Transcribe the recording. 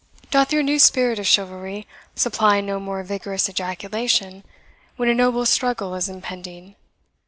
Doth your new spirit of chivalry supply no more vigorous ejaculation when a noble struggle is impending?